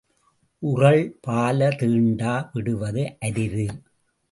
உறள் பால தீண்டா விடுவது அரிது.